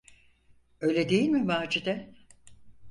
Öyle değil mi Macide?